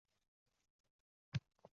Sen — kelinligu